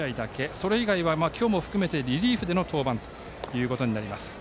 それ以外は今日も含めてリリーフでの登板ということになります。